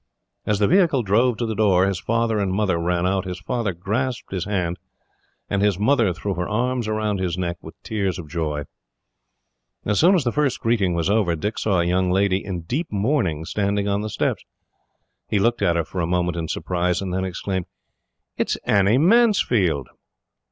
As the vehicle drove to the door, his father and mother ran out. His father grasped his hand, and his mother threw her aims round his neck, with tears of joy. As soon as the first greeting was over, Dick saw a young lady, in deep mourning, standing on the steps. He looked at her for a moment in surprise, and then exclaimed: "It is Annie Mansfield!"